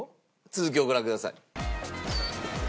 続きをご覧ください。